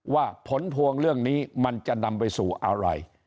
ว่าผลพวงเรื่องนี้มันจะนำไปสู่อะไร